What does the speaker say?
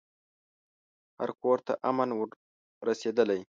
هر کورته امن ور رسېدلی